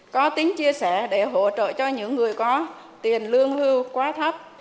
có tính chia sẻ để hỗ trợ cho những người có tiền lương hưu quá thấp